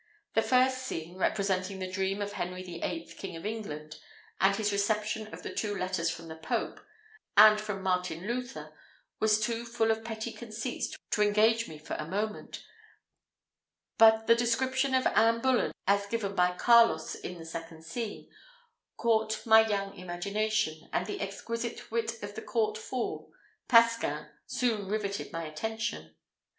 The first scene, representing the dream of Henry VIII., King of England, and his reception of the two letters from the pope, and from Martin Luther, was too full of petty conceits to engage me for a moment; but the description of Anne Bullen, as given by Carlos in the second scene, caught my young imagination, and the exquisite wit of the court fool, Pasquin, soon riveted my attention.